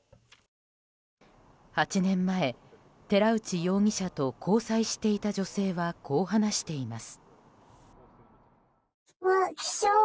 ８年前、寺内容疑者と交際していた女性はこう話しています。